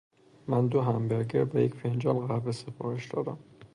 من دو همبرگر و یک فنجان قهوه سفارش دادم.